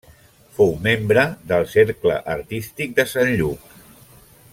Fou membre del Cercle Artístic de Sant Lluc.